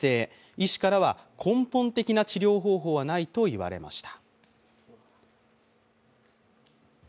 医師からは根本的な治療方法はないと言われました。